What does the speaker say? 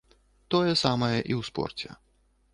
Тое самае і ў спорце.